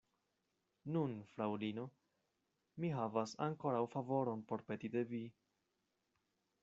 Nun, fraŭlino, mi havas ankoraŭ favoron por peti de vi.